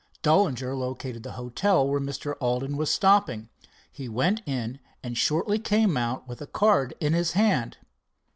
Dollinger located the hotel where Mr. Alden was stopping. He went in and shortly came out with a card in his hand.